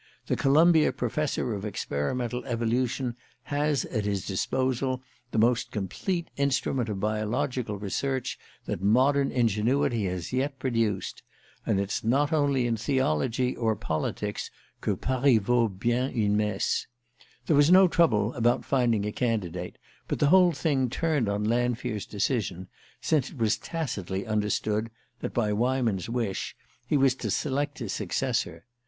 The Columbia Professor of Experimental Evolution has at his disposal the most complete instrument of biological research that modern ingenuity has yet produced; and it's not only in theology or politics que Paris vaut bien une messe! There was no trouble about finding a candidate; but the whole thing turned on Lanfear's decision, since it was tacitly understood that, by Weyman's wish, he was to select his successor.